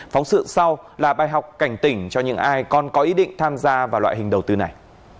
phóng sự sau là bài học cảnh tỉnh cho những ai còn có ý định tham gia vào loại hình đầu tư này